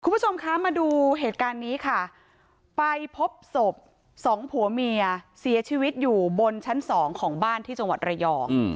คุณผู้ชมคะมาดูเหตุการณ์นี้ค่ะไปพบศพสองผัวเมียเสียชีวิตอยู่บนชั้นสองของบ้านที่จังหวัดระยอง